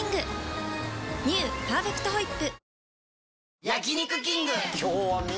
「パーフェクトホイップ」